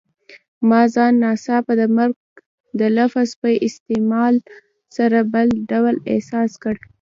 ما ځان ناڅاپه د مرګ د لفظ په استعمال سره بل ډول احساس کړ.